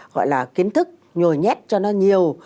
gọi là kiến thức nhồi nhét cho nó nhiều